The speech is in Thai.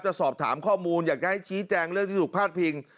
จะสอบถามข้อมูลอยากจะให้ชี้แจงเรื่องที่ถูกพาดพิง